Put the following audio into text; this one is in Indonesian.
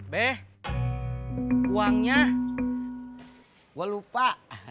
beh uangnya gua lupa